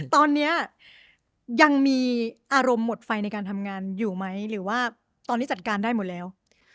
ตอนนี้ยังมีอารมณ์หมดไฟในการทำงานอยู่ไหมหรือว่าตอนนี้จัดการได้หมดแล้ว